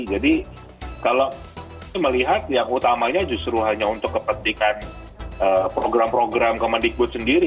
jadi kalau melihat yang utamanya justru hanya untuk kepentingan program program kemendikbud sendiri